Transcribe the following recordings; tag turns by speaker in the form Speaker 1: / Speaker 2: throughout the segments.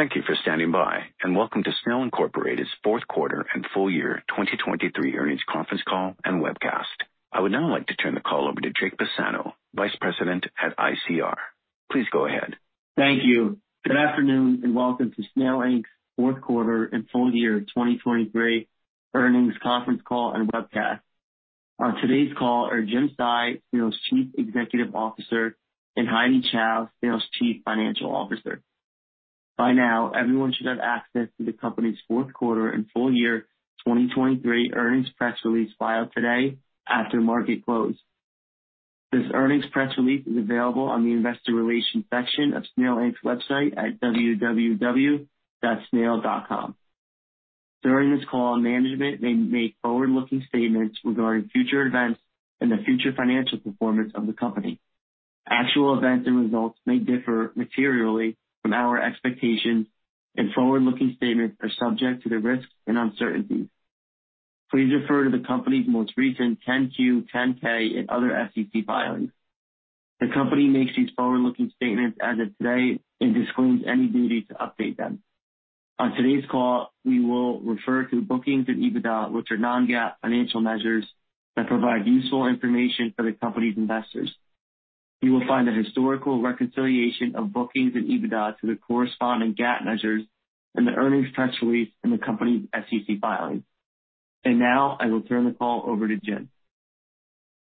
Speaker 1: Thank you for standing by, and welcome to Snail, Inc.'s fourth quarter and full year 2023 earnings conference call and webcast. I would now like to turn the call over to Jake Bassano, Vice President at ICR. Please go ahead.
Speaker 2: Thank you. Good afternoon and welcome to Snail, Inc.'s fourth quarter and full year 2023 earnings conference call and webcast. On today's call are Jim Tsai, Snail's Chief Executive Officer, and Heidy Chow, Snail's Chief Financial Officer. By now, everyone should have access to the company's fourth quarter and full year 2023 earnings press release filed today after market close. This earnings press release is available on the investor relations section of Snail, Inc.'s website at www.snail.com. During this call, management may make forward-looking statements regarding future events and the future financial performance of the company. Actual events and results may differ materially from our expectations, and forward-looking statements are subject to the risks and uncertainties. Please refer to the company's most recent 10-Q, 10-K, and other SEC filings. The company makes these forward-looking statements as of today and discloses any duty to update them. On today's call, we will refer to bookings and EBITDA, which are non-GAAP financial measures that provide useful information for the company's investors. You will find a historical reconciliation of bookings and EBITDA to the corresponding GAAP measures and the earnings press release in the company's SEC filings. Now I will turn the call over to Jim.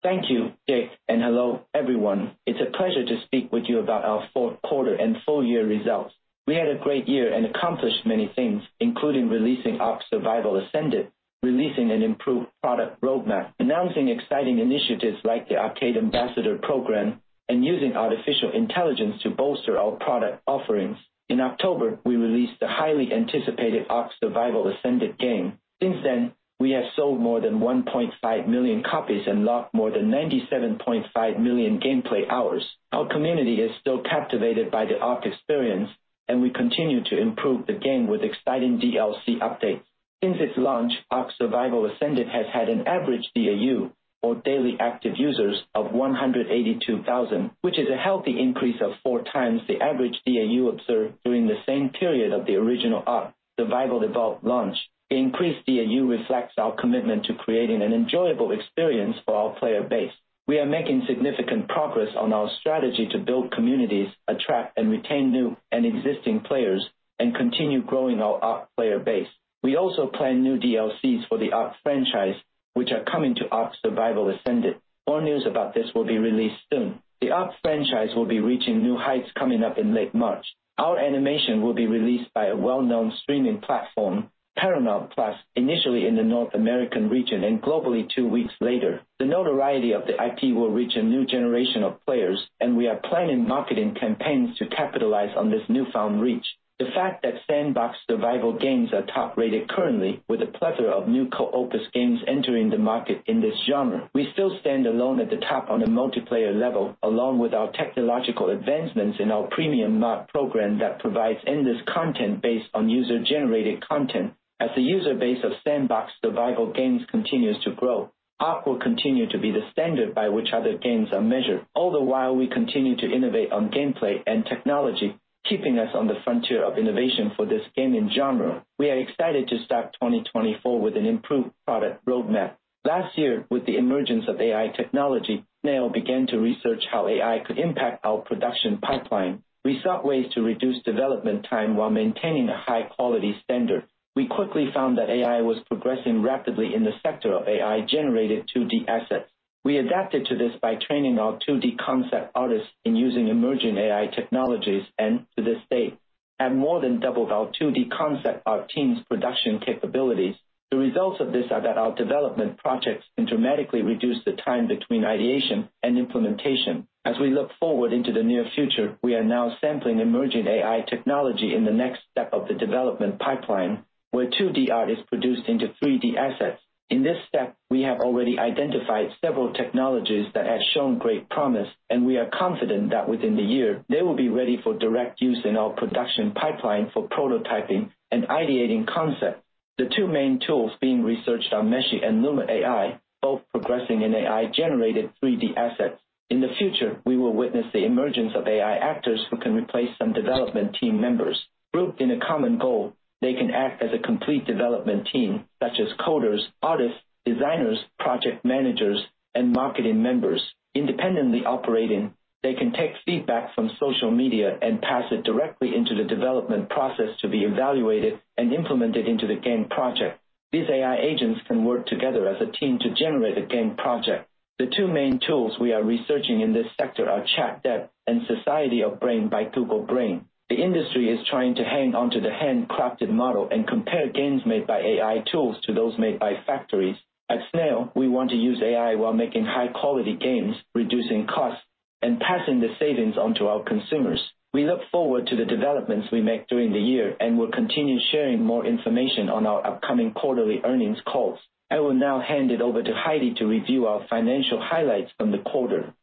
Speaker 3: Thank you, Jake, and hello everyone. It's a pleasure to speak with you about our fourth quarter and full year results. We had a great year and accomplished many things, including releasing ARK: Survival Ascended, releasing an improved product roadmap, announcing exciting initiatives like the ARK Ambassador Program, and using artificial intelligence to bolster our product offerings. In October, we released the highly anticipated ARK: Survival Ascended game. Since then, we have sold more than 1.5 million copies and locked more than 97.5 million gameplay hours. Our community is still captivated by the ARK experience, and we continue to improve the game with exciting DLC updates. Since its launch, ARK: Survival Ascended has had an average DAU, or daily active users, of 182,000, which is a healthy increase of four times the average DAU observed during the same period of the original ARK: Survival Evolved launch. The increased DAU reflects our commitment to creating an enjoyable experience for our player base. We are making significant progress on our strategy to build communities, attract and retain new and existing players, and continue growing our ARK player base. We also plan new DLCs for the ARK franchise, which are coming to ARK: Survival Ascended. More news about this will be released soon. The ARK franchise will be reaching new heights coming up in late March. Our animation will be released by a well-known streaming platform, Paramount+, initially in the North American region and globally two weeks later. The notoriety of the IP will reach a new generation of players, and we are planning marketing campaigns to capitalize on this newfound reach. The fact that sandbox survival games are top-rated currently, with a plethora of new co-op games entering the market in this genre, we still stand alone at the top on a multiplayer level, along with our technological advancements in our premium mod program that provides endless content based on user-generated content. As the user base of sandbox survival games continues to grow, ARK will continue to be the standard by which other games are measured, all the while we continue to innovate on gameplay and technology, keeping us on the frontier of innovation for this game in genre. We are excited to start 2024 with an improved product roadmap. Last year, with the emergence of AI technology, Snail began to research how AI could impact our production pipeline. We sought ways to reduce development time while maintaining a high-quality standard. We quickly found that AI was progressing rapidly in the sector of AI-generated 2D assets. We adapted to this by training our 2D concept artists in using emerging AI technologies and, to this date, have more than doubled our 2D concept art team's production capabilities. The results of this are that our development projects dramatically reduce the time between ideation and implementation. As we look forward into the near future, we are now sampling emerging AI technology in the next step of the development pipeline, where 2D art is produced into 3D assets. In this step, we have already identified several technologies that have shown great promise, and we are confident that within the year, they will be ready for direct use in our production pipeline for prototyping and ideating concepts. The two main tools being researched are Meshy and Luma AI, both progressing in AI-generated 3D assets. In the future, we will witness the emergence of AI actors who can replace some development team members. Grouped in a common goal, they can act as a complete development team, such as coders, artists, designers, project managers, and marketing members. Independently operating, they can take feedback from social media and pass it directly into the development process to be evaluated and implemented into the game project. These AI agents can work together as a team to generate a game project. The two main tools we are researching in this sector are ChatDev and Society of Mind by Google Brain. The industry is trying to hang onto the handcrafted model and compare games made by AI tools to those made by factories. At Snail, we want to use AI while making high-quality games, reducing costs, and passing the savings onto our consumers. We look forward to the developments we make during the year and will continue sharing more information on our upcoming quarterly earnings calls. I will now hand it over to Heidy to review our financial highlights from the quarter.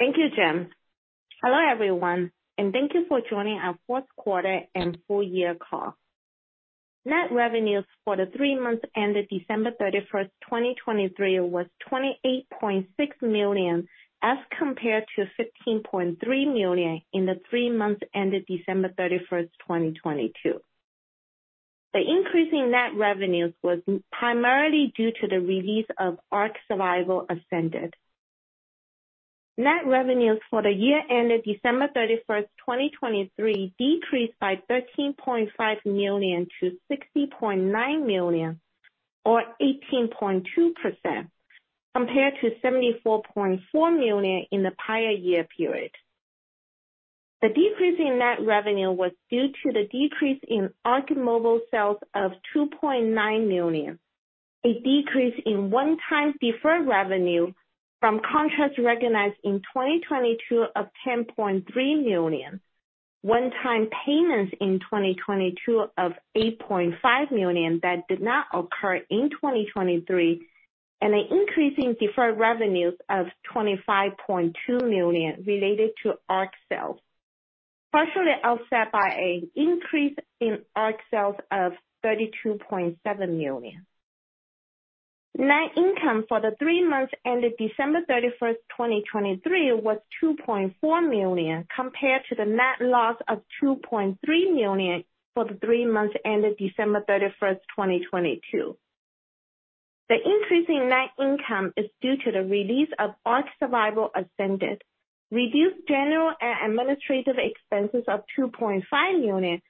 Speaker 4: Thank you, Jim. Hello everyone, and thank you for joining our fourth quarter and full year call. Net revenues for the three months ended December 31, 2023 was $28.6 million as compared to $15.3 million in the three months ended December 31, 2022. The increase in net revenues was primarily due to the release of ARK: Survival Ascended. Net revenues for the year ended December 31, 2023 decreased by $13.5 million to $60.9 million, or 18.2%, compared to $74.4 million in the prior year period. The decrease in net revenue was due to the decrease in ARK Mobile sales of $2.9 million, a decrease in one-time deferred revenue from contracts recognized in 2022 of $10.3 million, one-time payments in 2022 of $8.5 million that did not occur in 2023, and an increase in deferred revenues of $25.2 million related to ARK sales, partially offset by an increase in ARK sales of $32.7 million. Net income for the three months ended December 31, 2023 was $2.4 million compared to the net loss of $2.3 million for the three months ended December 31, 2022. The increase in net income is due to the release of ARK: Survival Ascended, reduced general and administrative expenses of $2.5 million,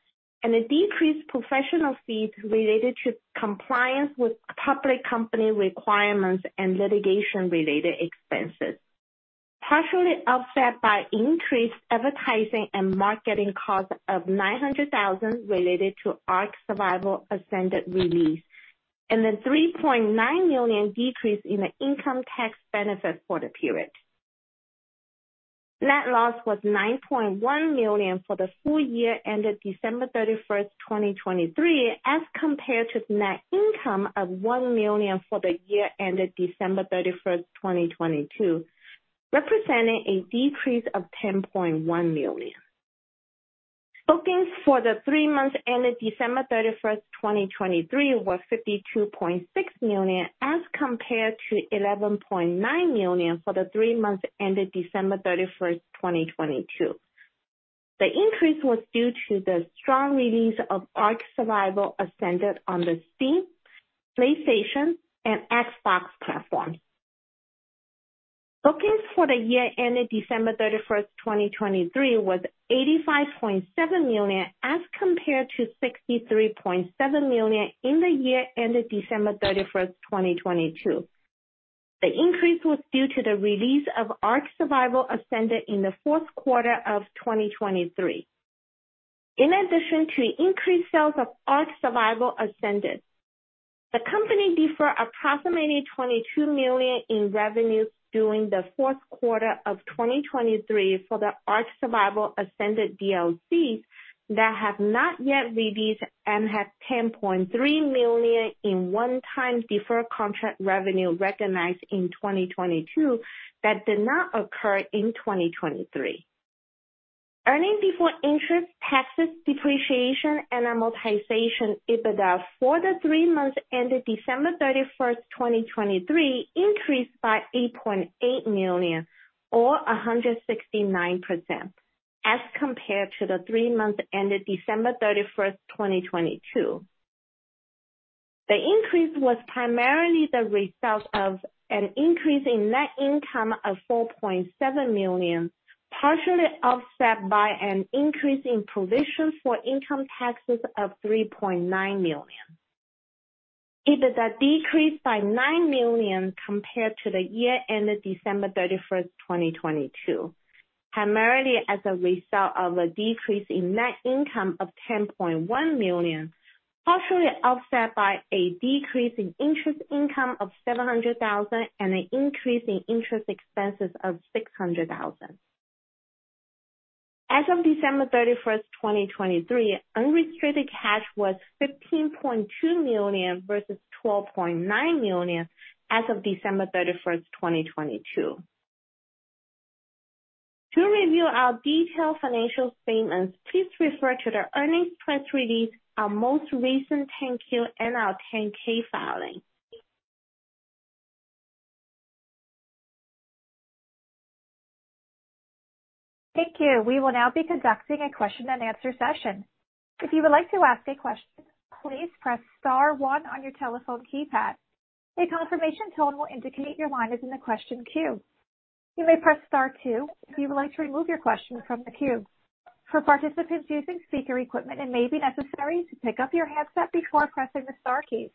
Speaker 4: and a decrease in professional fees related to compliance with public company requirements and litigation-related expenses, partially offset by increased advertising and marketing costs of $900,000 related to ARK: Survival Ascended release, and a $3.9 million decrease in the income tax benefit for the period. Net loss was $9.1 million for the full year ended December 31, 2023 as compared to net income of $1 million for the year ended December 31, 2022, representing a decrease of $10.1 million. Bookings for the three months ended December 31, 2023 were $52.6 million as compared to $11.9 million for the three months ended December 31, 2022. The increase was due to the strong release of ARK: Survival Ascended on the Steam, PlayStation, and Xbox platforms. Bookings for the year ended December 31, 2023 was $85.7 million as compared to $63.7 million in the year ended December 31, 2022. The increase was due to the release of ARK: Survival Ascended in the fourth quarter of 2023. In addition to increased sales of ARK: Survival Ascended, the company deferred approximately $22 million in revenues during the fourth quarter of 2023 for the ARK: Survival Ascended DLCs that have not yet released and have $10.3 million in one-time deferred contract revenue recognized in 2022 that did not occur in 2023. Earnings before interest, taxes, depreciation, and amortization, EBITDA for the three months ended December 31, 2023 increased by $8.8 million, or 169%, as compared to the three months ended December 31, 2022. The increase was primarily the result of an increase in net income of $4.7 million, partially offset by an increase in provisions for income taxes of $3.9 million. EBITDA decreased by $9 million compared to the year ended December 31, 2022, primarily as a result of a decrease in net income of $10.1 million, partially offset by a decrease in interest income of $700,000 and an increase in interest expenses of $600,000. As of December 31, 2023, unrestricted cash was $15.2 million versus $12.9 million as of December 31, 2022. To review our detailed financial statements, please refer to the earnings press release, our most recent 10-Q, and our 10-K filings.
Speaker 1: Thank you. We will now be conducting a question-and-answer session. If you would like to ask a question, please press star one on your telephone keypad. A confirmation tone will indicate your line is in the question queue. You may press star two if you would like to remove your question from the queue. For participants using speaker equipment, it may be necessary to pick up your headset before pressing the star keys.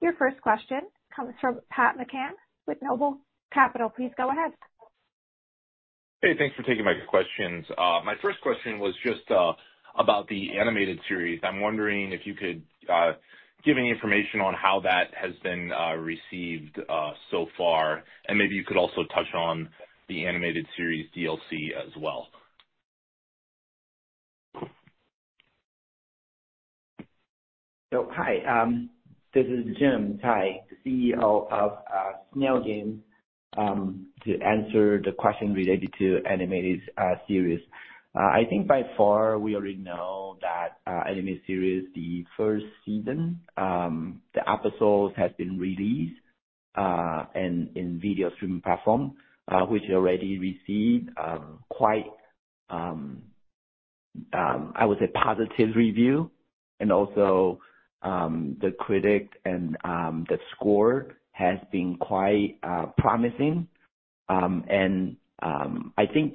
Speaker 1: Your first question comes from Pat McCann with Noble Capital. Please go ahead.
Speaker 5: Hey, thanks for taking my questions. My first question was just about the animated series. I'm wondering if you could give any information on how that has been received so far, and maybe you could also touch on the animated series DLC as well.
Speaker 3: So hi, this is Jim Tsai, the CEO of Snail Games, to answer the question related to animated series. I think by far we already know that animated series, the first season, the episodes have been released in video streaming platform, which already received quite, I would say, positive reviews. And also the critic and the score has been quite promising. And I think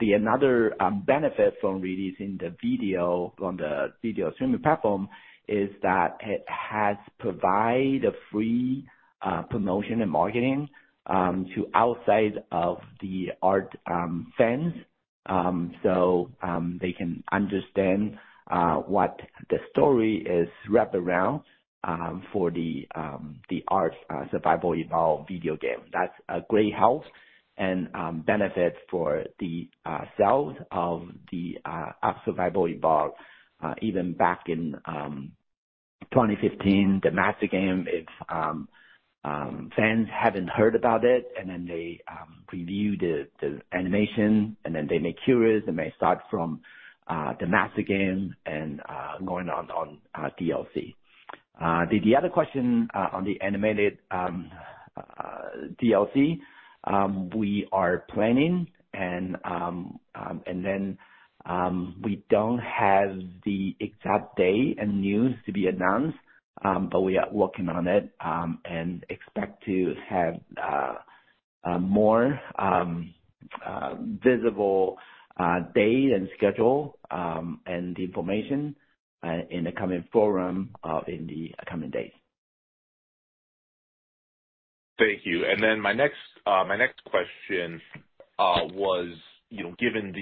Speaker 3: another benefit from releasing the video on the video streaming platform is that it has provided a free promotion and marketing to outside of the ARK fans so they can understand what the story is wrapped around for the ARK: Survival Evolved video game. That's a great help and benefit for the sales of the ARK: Survival Evolved. Even back in 2015, the ARK game, if fans haven't heard about it and then they review the animation and then they make choices, they may start from the ARK game and going on DLC. The other question on the animated DLC we are planning, and then we don't have the exact day and news to be announced, but we are working on it and expect to have a more visible date and schedule and the information in the coming months in the coming days.
Speaker 5: Thank you. And then my next question was, given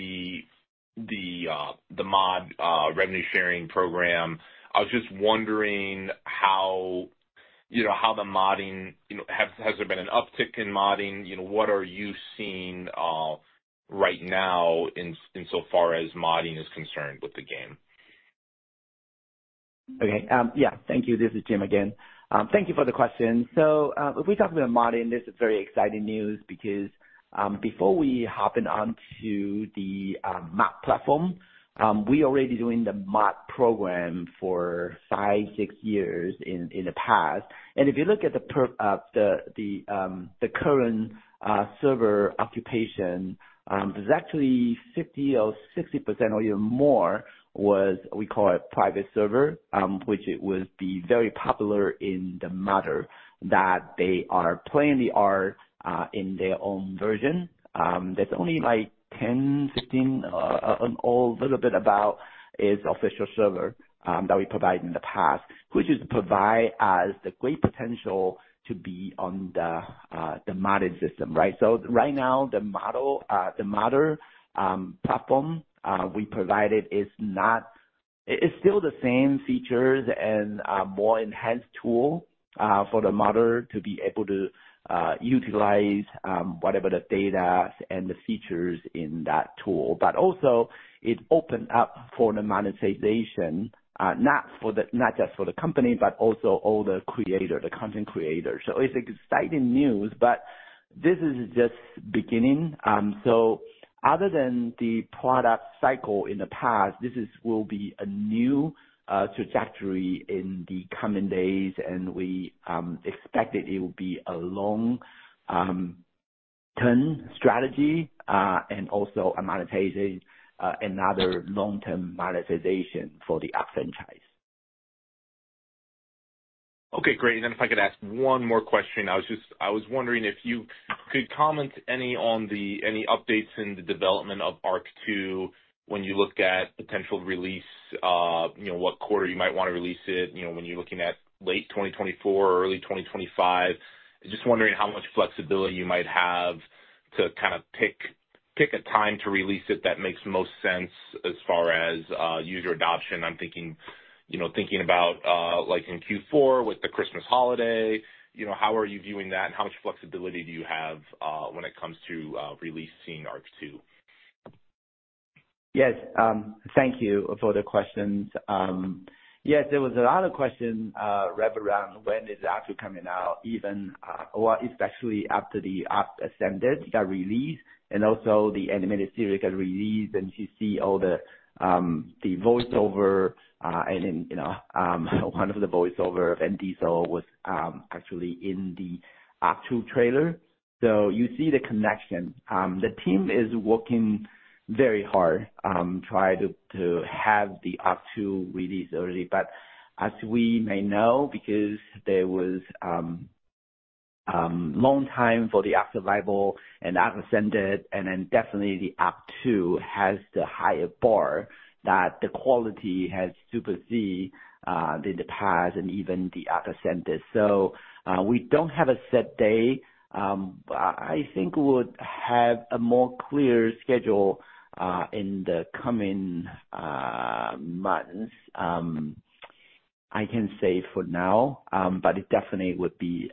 Speaker 5: the mod revenue-sharing program, I was just wondering how the modding has there been an uptick in modding? What are you seeing right now insofar as modding is concerned with the game?
Speaker 3: Okay. Yeah, thank you. This is Jim again. Thank you for the question. So if we talk about modding, this is very exciting news because before we hop in onto the mod platform, we're already doing the mod program for 5, 6 years in the past. And if you look at the current server occupation, there's actually 50% or 60% or even more was, we call it, private server, which would be very popular in the modder that they are playing ARK in their own version. There's only like 10, 15, a little bit above is official server that we provided in the past, which provides the great potential to be on the modded system, right? So right now, the modder platform we provided is still the same features and more enhanced tool for the modder to be able to utilize whatever the data and the features in that tool. But also, it opened up for the monetization, not just for the company, but also all the creators, the content creators. So it's exciting news, but this is just beginning. So other than the product cycle in the past, this will be a new trajectory in the coming days, and we expect it will be a long-term strategy and also another long-term monetization for the ARK franchise.
Speaker 5: Okay, great. Then if I could ask one more question, I was wondering if you could comment on any updates in the development of ARK 2 when you look at potential release, what quarter you might want to release it when you're looking at late 2024 or early 2025. Just wondering how much flexibility you might have to kind of pick a time to release it that makes most sense as far as user adoption. I'm thinking about Q4 with the Christmas holiday. How are you viewing that, and how much flexibility do you have when it comes to releasing ARK 2?
Speaker 3: Yes, thank you for the questions. Yes, there was a lot of questions wrapped around when is the ARK coming out, especially after the ARK Ascended got released and also the animated series got released, and you see all the voiceover, and then one of the voiceovers of Vin Diesel was actually in the ARK 2 trailer. So you see the connection. The team is working very hard to try to have the ARK 2 released early. But as we may know, because there was a long time for the ARK Survival and ARK Ascended, and then definitely the ARK 2 has the higher bar that the quality has superseded in the past and even the ARK Ascended. So we don't have a set day. I think we would have a more clear schedule in the coming months. I can say for now, but it definitely would be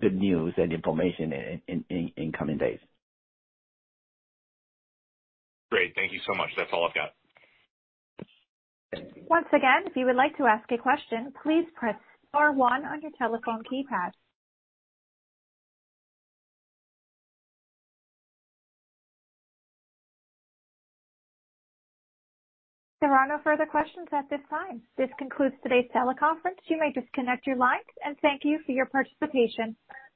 Speaker 3: good news and information in coming days.
Speaker 5: Great. Thank you so much. That's all I've got.
Speaker 1: Once again, if you would like to ask a question, please press star 1 on your telephone keypad. There are no further questions at this time. This concludes today's teleconference. You may disconnect your line. Thank you for your participation.